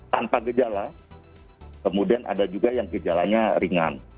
tanpa gejala kemudian ada juga yang gejalanya ringan